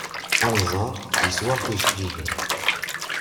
Anẓar yessway tijeǧǧigin.